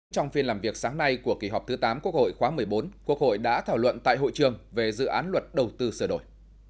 trong phiên làm việc sáng nay của kỳ họp thứ tám quốc hội khóa một mươi bốn quốc hội đã thảo luận tại hội trường về dự án luật đầu tư sửa đổi